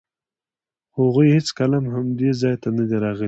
خو هغوی هېڅکله هم دې ځای ته نه دي راغلي.